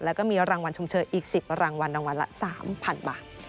แล้วก็มีรางวัลชมเชยอีก๑๐รางวัลรางวัลละ๓๐๐๐บาท